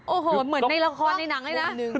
โอ้โหเหมือนในละครในหนังเลยนะ